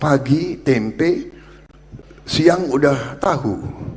pagi tempe siang udah tahu